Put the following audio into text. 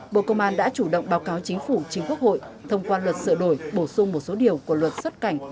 bộ công an đã chủ động báo cáo chính phủ chính quốc hội thông qua luật sửa đổi bổ sung một số điều của luật xuất cảnh